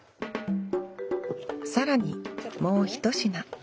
更にもうひと品。